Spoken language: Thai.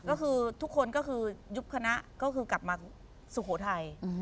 ก็คือทุกคนก็คือยุบคณะก็คือกลับมาสุโขทัย